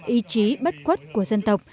ý chí bất quất của dân tộc